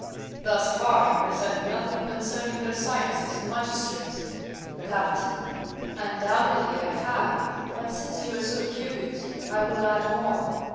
Thus far you have said nothing concerning their sciences and magistrates. Capt. Undoubtedly I have But since you are so curious I will add more.